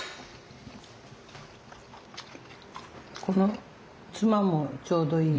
このつまもちょうどいい。